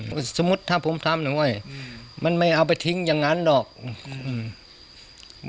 อืมสมมุติถ้าผมทำหน่อยอืมมันไม่เอาไปทิ้งอย่างนั้นหรอกอืม